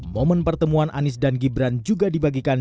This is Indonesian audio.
momen pertemuan anies dan gibran juga dibagikan